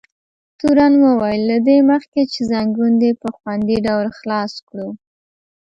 تورن وویل: له دې مخکې چې ځنګون دې په خوندي ډول خلاص کړو.